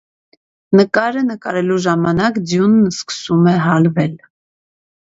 Նկարը նկարելու ժամանակ ձյունն սկսում է հալվել։